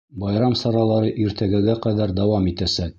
Байрам саралары иртәгәгә ҡәҙәр дауам итәсәк.